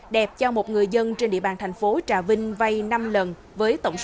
đẹp cho một người dân trên địa bàn thành phố trà vinh vay năm lần